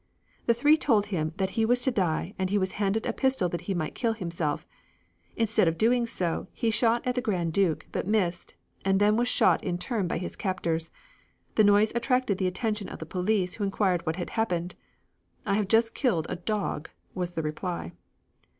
The three told him that he was to die and he was handed a pistol that he might kill himself; instead of doing so, he shot at the Grand Duke, but missed, and then was shot in turn by his captors. The noise attracted the attention of the police who inquired what had happened. "I have just killed a dog," was the reply.